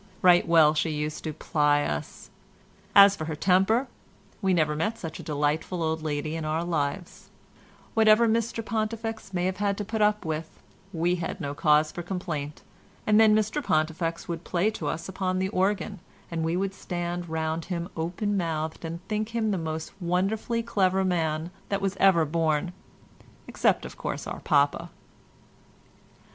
Right well she used to ply us. As for her temper, we never met such a delightful old lady in our lives; whatever Mr Pontifex may have had to put up with, we had no cause for complaint, and then Mr Pontifex would play to us upon the organ, and we would stand round him open mouthed and think him the most wonderfully clever man that ever was born, except of course our papa.